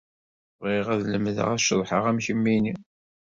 Bɣiɣ ad lemdeɣ ad ceḍḥeɣ am kemmini.